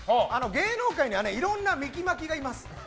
芸能界にはいろんなミキ・マキがいます。